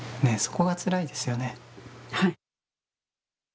はい。